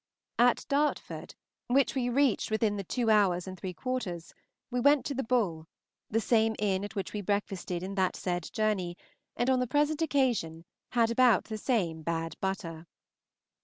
At Dartford, which we reached within the two hours and three quarters, we went to the Bull, the same inn at which we breakfasted in that said journey, and on the present occasion had about the same bad butter.